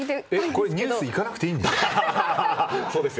これ、ニュースいかなくていいんですか？